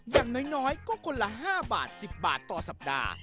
อย่างน้อยก็คนละ๕บาท๑๐บาทต่อสัปดาห์